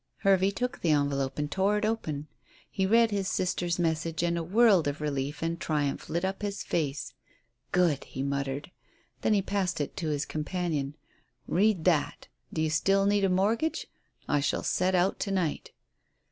'" Hervey took the envelope and tore it open. He read his sister's message, and a world of relief and triumph lit up his face. "Good," he muttered. Then he passed it to his companion. "Read that. Do you still need a mortgage? I shall set out to night."